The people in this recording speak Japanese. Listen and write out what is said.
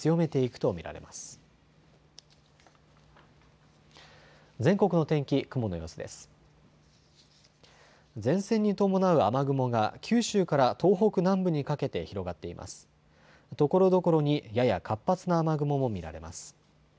ところどころに、やや活発な雨雲も見られます。